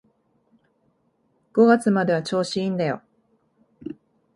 五月までは調子いいんだよ